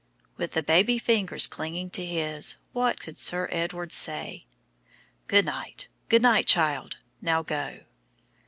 With the baby fingers clinging to his, what could Sir Edward say? "Good night; good night, child! Now go."